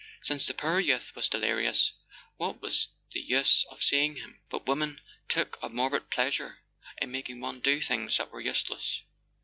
Since the poor youth was delirious, what was the use of seeing him ? But women took a morbid pleasure in making one do things that were useless!